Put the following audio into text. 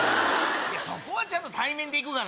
そこはちゃんと対面で行くがな。